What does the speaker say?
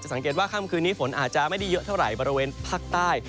สังเกตว่าค่ำคืนนี้ฝนอาจจะไม่ได้เยอะเท่าไหร่บริเวณภาคใต้